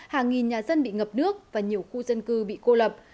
hàng nghìn nhà dân bị ngập nước và nhiều khu dân cư bị cô lập